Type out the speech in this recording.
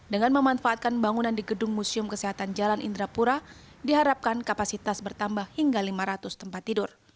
dengan memanfaatkan bangunan di gedung museum kesehatan jalan indrapura diharapkan kapasitas bertambah hingga lima ratus tempat tidur